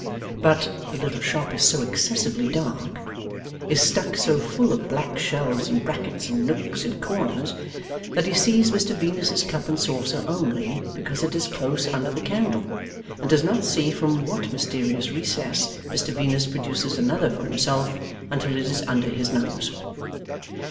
But, the little shop is so excessively dark, is stuck so full of black shelves and brackets and nooks and corners, that he sees Mr Venus's cup and saucer only because it is close under the candle, and does not see from what mysterious recess Mr Venus produces another for himself until it is under his nose.